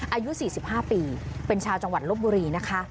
อายุ๔๕ปีเป็นชาวจังหวัดลบบุรีนะคะ